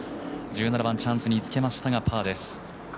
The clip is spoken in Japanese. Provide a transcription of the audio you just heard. １７番チャンスにつけましたがパーです。